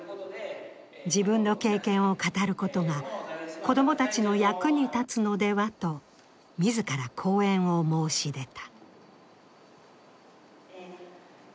自分の経験を語ることが子供たちの役に立つのではと、自ら講演を申し出た。